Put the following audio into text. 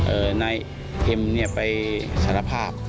เอ่อนายเข็มเนี่ยไปสารภาพ